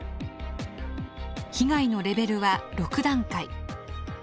被害のレベルは６段階。